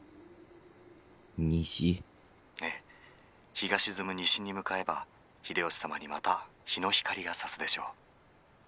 「ええ日が沈む西に向かえば秀吉様にまた日の光がさすでしょう」。